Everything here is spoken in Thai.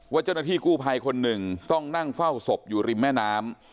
เจ้าหน้าที่กู้ภัยคนหนึ่งต้องนั่งเฝ้าศพอยู่ริมแม่น้ำ